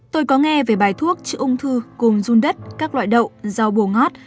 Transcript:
tôi có nghe về bài thuốc chữa ung thư gồm dung đất các loại đậu rau bồ ngót